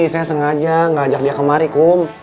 saya sengaja gak ajak dia kemari kum